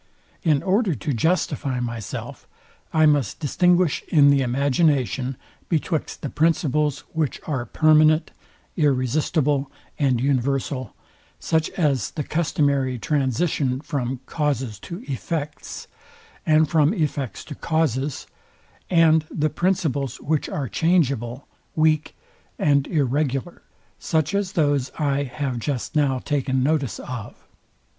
In order to justify myself, I must distinguish in the imagination betwixt the principles which are permanent, irresistible, and universal; such as the customary transition from causes to effects, and from effects to causes: And the principles, which are changeable, weak, and irregular; such as those I have just now taken notice of.